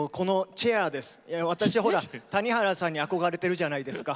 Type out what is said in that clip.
私、谷原さんに憧れてるじゃないですか。